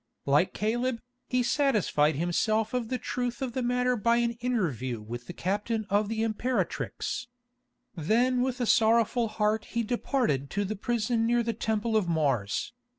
Like Caleb, he satisfied himself of the truth of the matter by an interview with the captain of the Imperatrix. Then with a sorrowful heart he departed to the prison near the Temple of Mars.